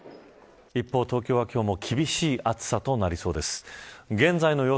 一方東京は今日も厳しい暑さとなりそうです。